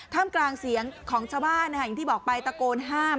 กลางเสียงของชาวบ้านอย่างที่บอกไปตะโกนห้าม